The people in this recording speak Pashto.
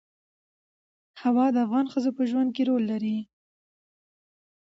هوا د افغان ښځو په ژوند کې رول لري.